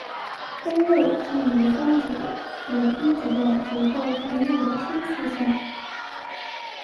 分类基于三级的和一级的结构层面的相似性。